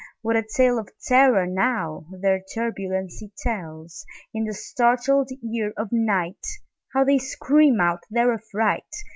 What a tale of terror, now, their turbulency tells! In the startled ear of nightHow they scream out their affright!